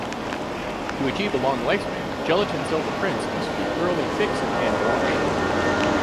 To achieve a long lifespan, gelatin silver prints must be thoroughly fixed and washed.